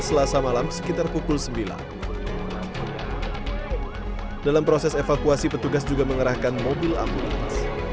selasa malam sekitar pukul sembilan dalam proses evakuasi petugas juga mengerahkan mobil ambulans